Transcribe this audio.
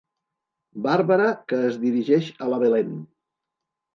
Bàrbara que es dirigeix a la Belén.